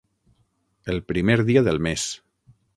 El primer dia del mes.